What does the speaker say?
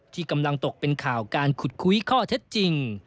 ที่กำลังตกเป็นข่าวการขุดคุยข้อเท็จจริง